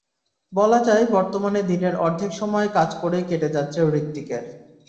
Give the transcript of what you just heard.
বলা যায়, বর্তমানে দিনের অর্ধেক সময় কাজ করেই কেটে যাচ্ছে হৃতিকের।